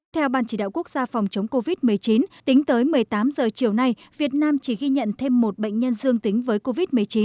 theo ban chỉ đạo quốc gia phòng chống covid một mươi chín tính tới một mươi tám h chiều nay việt nam chỉ ghi nhận thêm một bệnh nhân dương tính với covid một mươi chín